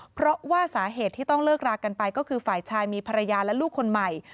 เพราะว่าสาเหตุที่ต้องเลิกรากันไปก็คือฝ่ายชายมีภรรยาและลูกคนใหม่